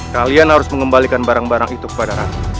kalian harus mengembalikan barang barang itu kepada ratu